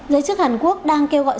giới chức hàn quốc đang kêu gọi